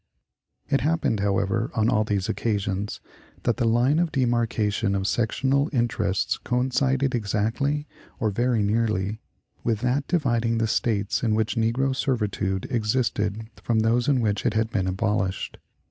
It happened, however, on all these occasions, that the line of demarkation of sectional interests coincided exactly or very nearly with that dividing the States in which negro servitude existed from those in which it had been abolished.